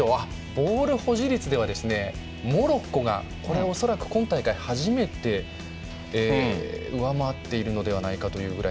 ボール保持率ではモロッコが恐らく今大会初めて上回っているのではないかというぐらい。